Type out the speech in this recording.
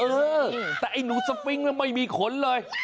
เออแต่ไอ้หนูสฟิงค์มันไม่มีขนเลย